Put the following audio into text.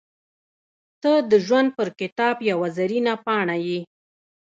• ته د ژوند پر کتاب یوه زرینه پاڼه یې.